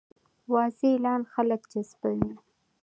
واضح اعلان خلک جذبوي.